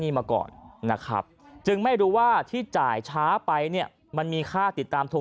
นี่มาก่อนนะครับจึงไม่รู้ว่าที่จ่ายช้าไปเนี่ยมันมีค่าติดตามทง